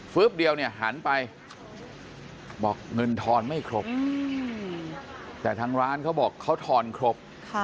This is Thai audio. เดียวเนี่ยหันไปบอกเงินทอนไม่ครบแต่ทางร้านเขาบอกเขาทอนครบ